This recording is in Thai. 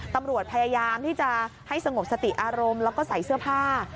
ตำรวจพยายามที่จะให้สงบสติอารมณ์แล้วก็ใส่เสื้อผ้า